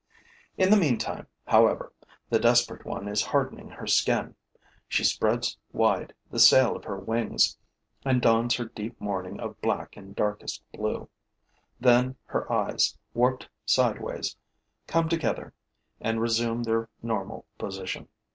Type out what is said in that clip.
In the meantime, however, the desperate one is hardening her skin; she spreads wide the sail of her wings and dons her deep mourning of black and darkest blue. Then her eyes, warped sideways, come together and resume their normal position.